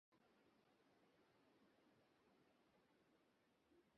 সাংবাদিকদের জন্য ভীতির কারণ হয়ে এখনো শেরেবাংলা স্টেডিয়ামে ঘুরে বেড়াচ্ছেন মোহাম্মদ আলী।